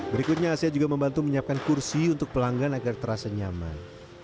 berikutnya asia juga membantu menyiapkan kursi untuk pelanggan agar terasa nyaman